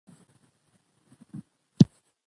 پښتانه ډیر عزت مند خلک دی.